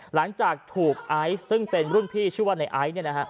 หลังจากถูกไอซ์ซึ่งเป็นรุ่นพี่ชื่อว่าไนไอซ์